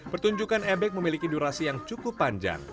pertunjukan ebek memiliki durasi yang cukup panjang